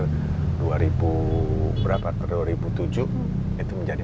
itu menjadi bku kemarin ini ya itu berapa